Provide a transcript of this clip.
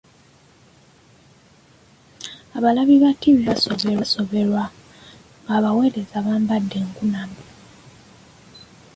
Abalabi ba ttivvi oluusi basoberwa ng’abaweereza bambadde enkunamyo.